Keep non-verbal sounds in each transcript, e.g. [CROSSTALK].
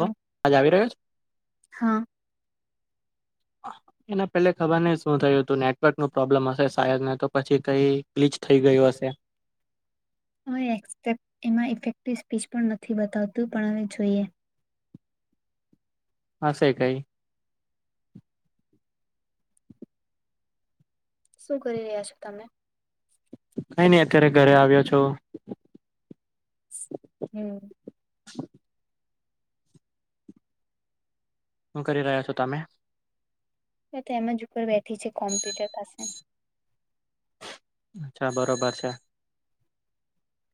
તો વાજ આવી રહ્યો છે? હા. [UNINTELLIGIBLE] એના પેલે ખબર નય શું થયું હતું નેટવર્કનો પ્રોબ્લમ હશે શાયદ ને તો પછી કઈ ગ્લીચ થઈ ગયું હશે. હવે એસ્ફેક્ટ એમાં ઇફેક્ટિવ સ્પીચ પણ નથી બતાવતું પણ હવે જોઈએ. હશે કય. શું કરી રહ્યા છો તમે? કઈ નઈ અત્યારે ઘરે આવ્યો છો. હમ્મ. હુ કરી રહ્યા છો તમે? મેં તો એમ જ ઉપર બેઠી છે કોમ્પ્યુટર પાસે અચ્છા બરોબર છે.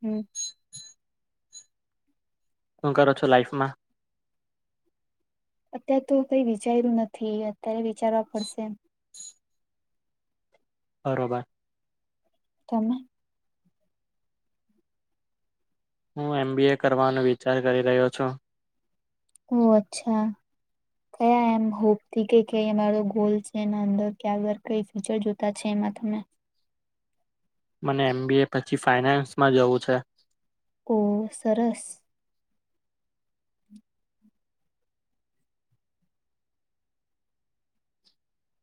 હમ્મ. હુ કરો છો લાઈફમાં? અત્યારે તો કઈ વિચાર્યું નથી અત્યારે વિચારવા પડશે. બરોબર. તમે? હું એમ. બી. એ. કરવાનો વિચાર કરી રહ્યો છું ઓહ અચ્છા કયા એમ હોપ થી કે કે અમારો ગોલ છે એ અંદર ક્યાગર કઈ ઝલ્ટ જોતા છે એમાં તમે મને એમ. બી. એ. પછી ફાઈનાન્સમાં જવું છે ઓ સરસ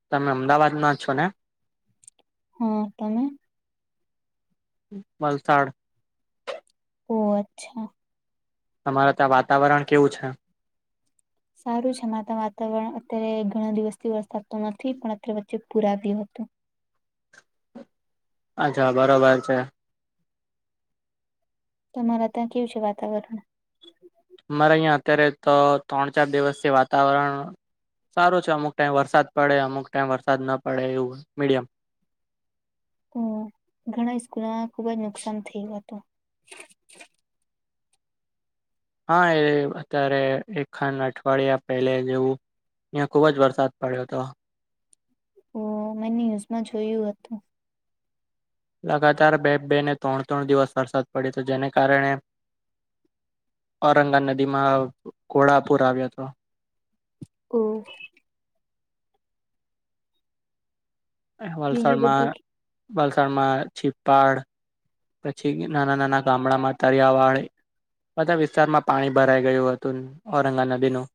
તમે અમદાવાદમાં જ છો ને હા તમે? વલસાડ ઓહ અચ્છા તમારા ત્યાં વાતાવરણ કેવું છે. સારું છે અમારા ત વાતાવરણ અત્યારે ઘણા દિવસથી વરસાદ તો નથી પણ અત્યારે વચ્ચે પુર આવ્યું હતું. અચ્છા બરોબર છે. તમારા ત્યાં કેઉ છે વાતાવરણ અમારે અયા અત્યારે તો ત્રણ ચાર દિવસ થી વાતાવરણ સારુ છે અમુક ટાઈમ વરસાદ પડે અમુક ટાઈમ વરસાદ ન પડે એવું મીડિયમ હમ્મ ઘણા સ્કૂલોમાં ખુબ જ નુકસાન થયુ હતું હા એ અત્યારે એક ખાંડ અઠવાડિયા પહેલે જેવું અયાં ખુબ જ વરસાદ પડ્યો તો ઓ મેં ન્યૂઝમાં જોયું હતું. લગાતાર બે બે ને ત્રણ ત્રણ દિવસ વરસાદ પડ્યો હતો જેને કારણે ઔરંગા નદી ઘોડાપુર આવ્યો હતો ઓ બીજું વલસાડ માં બધું વલસામાં છીપાડ પછી નાના નાના ગામડામાં તારીયા વાળે બધા વિસ્તારમાં પાણી ભરાઈ ગયું હતું ઔરંગા નદીનું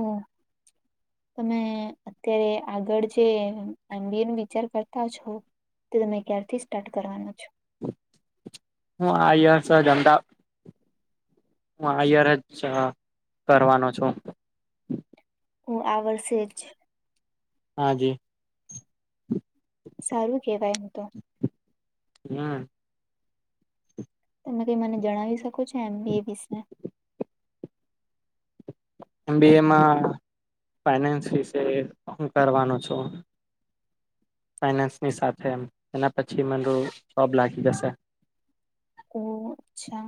ઓ તમે અત્યારે આગળ જે એમ. બી. એન વિચાર કરતા છો તો તમે ક્યારથી સ્ટાર્ટ કરવાનો છો? હું આ યર સજ અમદા હું આયર જ કરવાનો છું. હું આ વર્ષે જ હાજી સારું કેવાય એમ તો નાં તમે કઈ મને જણાવી શકો છો એમ. બી. એ. વિશે એમ. બી. એ. માં ફાઇનાન્સ વિશે હું કરવાનું છું ફાઈનાન્સ ની સાથે એમ એના પછી મ [UNINTELLIGIBLE] જોબ લાગી જશે ઓહ અચ્છા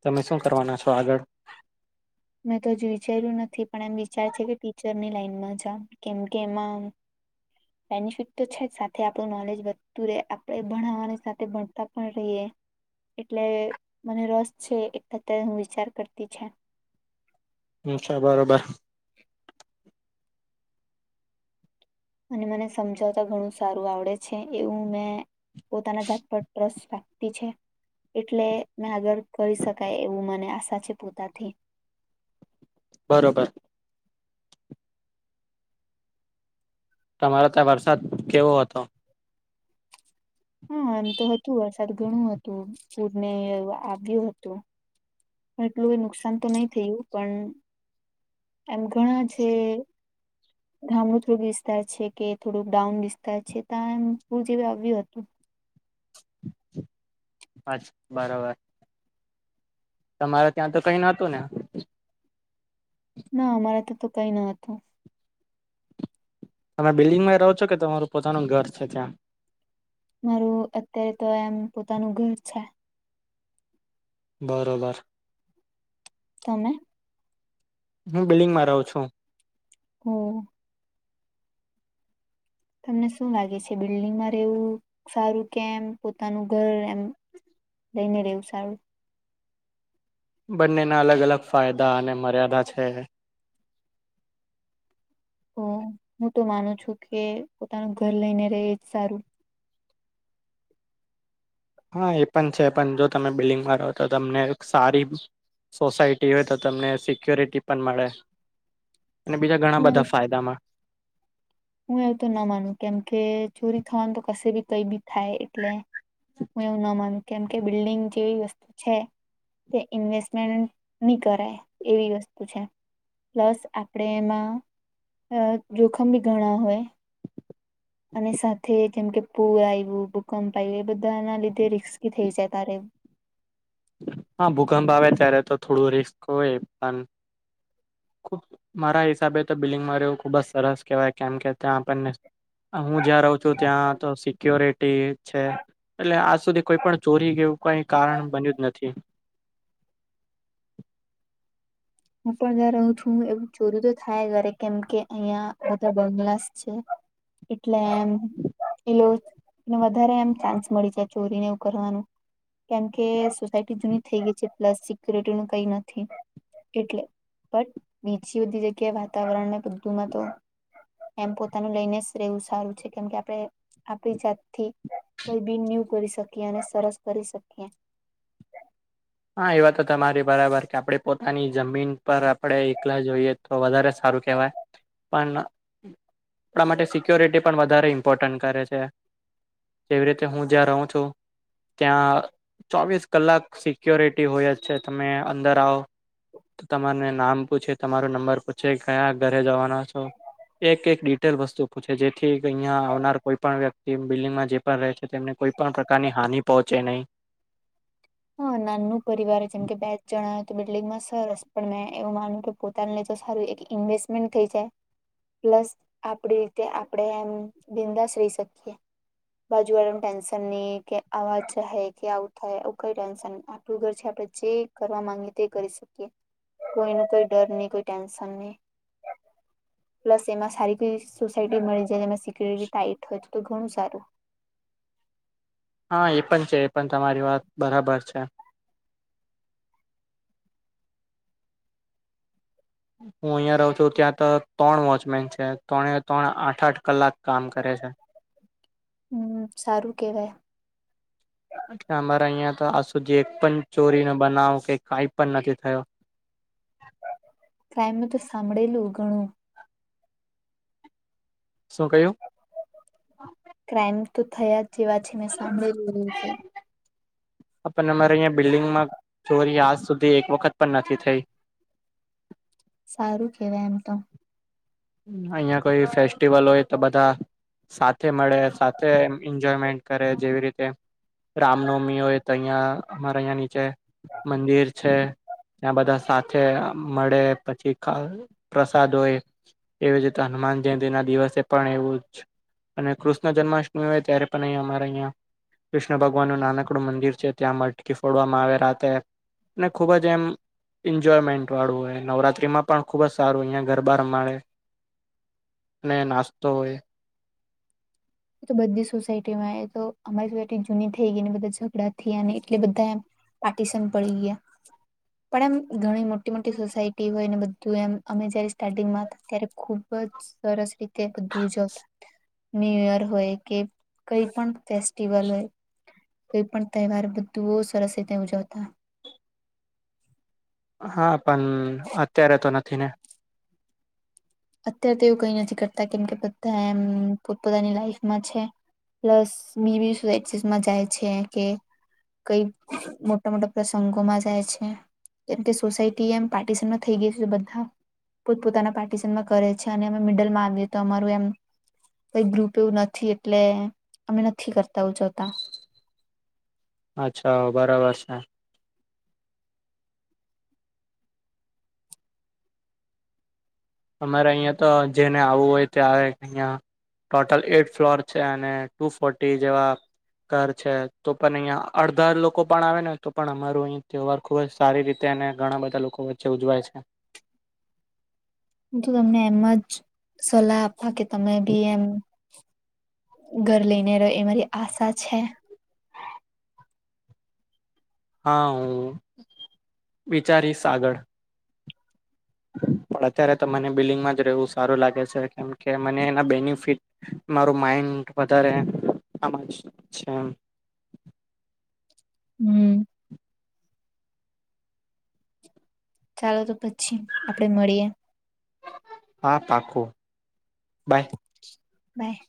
તમે શું કરવાના છો આગળ? મેં તો હજી વિચાર્યું નથી પણ એમ વિચાર છે કે ટીચરની લાઈનમાં જાવ કેમ કે એમાં બેનિફિટ તો છે જ સાથે આપણું નોલેજ વધતું રે આપણે ભણાવવાની સાથે ભણતા પણ રહીએ એટલે મને રસ છે એ અત્યારે હું વિચાર કરતી છે. એવું છે બરોબર એ અને મને સમજાવતા ઘણું સારું આવડે છે એવું મેં પોતાના જાત પર ટ્રસ્ટ રાખતી છે. એટલે મેં આગળ કરી શકાય એવું મને આશા છે પોતાથી બરોબર તમારે તા વરસાદ કેવો હતો હા એમ તો હતું વરસાદ ઘણું હતું પૂરને આવ્યું હતું પણ એટલું નુકસાન તો નહી થયું પણ એમ ઘણા જે ગામડું થોડુંક વિસ્તાર છે કે થોડુંક ડાઉન વિસ્તાર છે ત્યાં એમ પુર જેવુ આવ્યુ હતુ. [UNINTELLIGIBLE] બરોબર તમારે ત્યાં તો કઈ નતું ને ના અમારા તો તો કઈ નતુ તમે બિલ્ડિંગ માં રહો છો કે તમારું પોતાનું ઘર છે ત્યાં મારું અત્યારે તો એમ પોતાનું ઘર છે. બરોબર તમે હું બિલ્ડિંગમાં રહુ છુ. હમ્મ તમને શું લાગે છે બિલ્ડિંગમાં રહેવું સારું કેમ પોતાનું ઘર એમ લઈને રહેવું સારું બંનેના અલગ અલગ ફાયદા અને મર્યાદા છે ને એમ હું તો માનુ છુ કે પોતાનું ઘર લઈને રે એજ સારુ હા એ પણ છે પણ જો તમે બિલ્ડિંગમાં રહો તો તમને સારી સોસાયટી હોય તો તમને સિક્યોરિટી પણ મળે અને બીજા હું ઘણા એવું બધા ફાયદામાં હું એવું તો ના માનું કેમ કે ચોરી થવાનું તો કશે બી કઈ બી થાય એટલે હું એવું ના માનું કેમ કે બિલ્ડિંગ જેવી વસ્તુ છે તે ઇન્વેસ્ટમેન્ટ ની કરાય એવી વસ્તુ છે. પ્લસ આપણે એમાં અ જોખમ બી ઘણા હોય. [INAUDIBLE] અને સાથે જેમ કે પૂર આવ્યું ભૂકંપ આયવો એ બધા ના લીધે રિસ્કી થઈ જાય તારે હા ભૂકંપ આવે ત્યારે તો થોડું રિસ્ક હોય પણ મારા હિસાબે તો બિલ્ડિંગ મા રેવુ ખુબ જ સરસ કેહેવાય કેમ કે ત્યાં આપણને હું જ્યા રહુ છુ ત્યાં તો સિક્યોરિટી છે. એટલે આજ સુધી કોઈ પણ ચોરી કેવું કઈ કારણ બન્યું જ નથી. હું પણ જ્યાં રહુ છુ એવુ ચોરી તો થાય ઘરે કેમ કે અહિયા બધા બંગલાસ છે. એટલે એમ એ વધારે એમ ચાન્સ મળી જાય ચોરીને એવું કરવાનું. કેમ કે સોસાયટી જૂની થઈ ગઈ છે પ્લસ સિક્યોરિટી નું કઈ નથી. એટલે બટ બીજી બધી જગ્યાએ વાતાવરણને બધુંમાં તો એમ પોતાનું લઈને જ રહેેવું સારું છે કેમ કે આપણે આપડી જાત થી કઈ બી ન્યુ કરી શકીએ અને સરસ કરી શકીએ. હા એ વાતો તમારી બરાબર કે આપણે પોતાની જમીન પર આપડે એકલા જ હોઈએ. તો વધારે સારું કહેવાય પણ એટલા માટે સિક્યોરિટી પણ વધારે ઇમ્પોર્ટન્ટ કરે છે. જેવી રીતે હું જ્યાં રહું ત્યાં ચોવીસ કલાક સી ક્યોરિટી હોય જ છે તમે અંદર આવ તમાર ને નામ પૂછે તમારો નંબર પૂછે કયા ઘરે જવાના છો. એક એક ડિટેલ વસ્તુ પૂછે, જેથી અહિયા આવનાર કોઈ પણ વ્યક્તિ, બિલ્ડિંગમાં જે પણ રહે છે, તેમને કોઈ પણ પ્રકાર ની હાની પહોંચે નહી. હા, નાનુ પરિવાર જેમ કે બેજ જણા. બિલ્ડિંગમાં સરસ, પણ મેં એવું માનુંયું કે પોતાન લીધે તો, સારું એક ઇન્વેસ્ટમેન્ટ થઈ જાય. પ્લસ આપડી રીતે આપણેે એમ બિંદાસ રહી શકીયએ. બાજુ વાળેને ટેન્શન નહી, કે આવાજ કે આવું થાય. કઈ ટેન્શન ન આપડું ઘર છે, આપડણે જે કરવા માંગીએ તે કરી શકીએ. કોઈ ન કોઈ ડર નઈ, કોઈ ટેન્શન નઈ. પ્લસ એમાં સારી કોઈ સોસાયટી મળી જાય, એમાં સિક્યોરિટી ટાઈટ હોય તો, તો ઘણું સારું. હા એ પણ છે, પણ તમારી વાત બરાબર છે. હું અહિયાં રહું છું, ત્યાં તો ત્રણ વોચમેન છે, ત્રણે ત્રણ આઠ આઠ કલાક કામ કરે છે. હમ્મ, સારું કેવાય. એટલે અમારે અહિયાં તો આજ સુધી એક પણ ચોરી નો બનાવો, કે કઈ પણ નથી થયો. ક્રાઈમ નુ તો સાંભળેલું ઘણું. શું કહ્યું? ક્રાઈમ તો થયા જેવા છે, મેં સાંભડેલુ દૂર થી. પણ અમારે બિલ્ડિંગમાં, ચોરી આજ સુધી એક વખત પણ નથી થઈ. સારું કેવાય એમ તો. અહિયાં કોઈ ફેસ્ટિવલ હોય તો બધા સાથે મળે, સાથે એન્જોયમેન્ટ કરે, જેવી રીતે રામનવમી હોય, તો અહિયાં અમારે અહિયાં નીચે મંદિર છે. ત્યાં બધા સાથે અ મળે, પછી ખ પ્રસાદ હોય. એવીજ રીતે હનુમાન જયંતિ ના દિવસે પણ એવુંજ અને કૃષ્ણ જન્માષ્ટમી હોય ત્યારે પણ અહીં અમારે અહં કૃષ્ણ ભગવાનનું નાનકડું મંદિર છે, ત્યાં મટકી ફોડવામાં આવે રાતે. ને ખૂબ જ એમ એન્જોયમેન્ટ વાળું હોય, નવરાત્રીમાં પણ ખુબ જ સારું અહંયા ઘરબા રમાડે. ને નાસ્તો હોય. તો બધી સોસાયટીમાં એ તો, અમારી સોસાયટી જૂની થઈ ગઈ, ને બધા ઝઘડા થયાને, એટલે બધા પાટીશન પડી ગયા. પણ એમ ઘણી મોટી મોટી સોસાયટી હોય, ને બધું એમ અમે જયારે સ્ટાર્ટિંગમાં હતા. ત્યારે ખુબ જ સરસ રીતે બધુ ઉજવતા, ન્યૂ યર. હોય કે કઇ પણ ફેસ્ટિવલ હોય. કઈ પણ તહેવાર બધું સરસ રીતે ઉજવતા. હા પણ, અત્યારે તો નથી ને. અત્ય્યારે તો એવું કઈ નથી કરતા, કેમ કે બધા એમ પોતપોતાની લાઈફમાં છે. પ્લસ મી બી વેસીસ મા જાય છે કે કઈ મોટા મોટા પ્રસંગોમાં જાય છે. કેમ કે સોસાયટી એમ પાર્ટિશનમાં થઈ ગઈ છે, બધા પોત પોતાના પાર્ટિશનમાં કરે છે, અને અમે મિડલમાં આવીએ તો અમારું એમ કઈ ગ્રુપ એવું નથી, એટલે અમે નથી કરતા ઉજવતા. અચ્છા બરાબર છે. અમારે અહિયાં તો, જેને આવવું હોય તે આવે અહિયા. ટોટલ એટ ફ્લોર છે, અને ટુ ફોર્ટી જેવા ઘર છે, તો પણ અહિયાં અડધા લોકો આવે ને, તો પણ અમારું અહિ તહેવાર ખૂબ જ સારી રીતે અને ઘણા બધા લોકો વચ્ચે ઉજવાય છે જો તમને એમ જ સલાહ આપુ કે તમે બી એમ ઘર લઈને રહે એ મારી આસા છે હા હું વિચારીશ આગળ પણ અત્યારે તો મને બિલ્ડિંગમાં જ રહેવું સારું લાગે છે કેમ કે મને એના બેનિફિટ મારું માઈન્ડ વધારે આમાં જ છે એમ હમ ચાલો તો પછી આપડે મળીએ હા પાક્કુ બાય. બાય